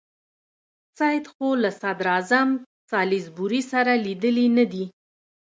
سید خو له صدراعظم سالیزبوري سره لیدلي نه دي.